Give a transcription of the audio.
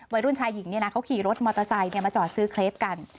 วัยรุ่นชายหญิงเขาขี่รถมอเตอร์ไซค์มาจอดซื้อเคลปกัน